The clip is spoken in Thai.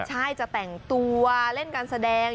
ใช่จะแต่งตัวเล่นการแสดง